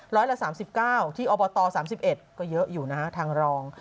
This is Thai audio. ละ๓๙ที่อบต๓๑ก็เยอะอยู่นะฮะทางรอง